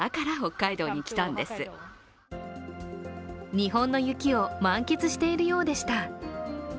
日本の雪を満喫しているようでした。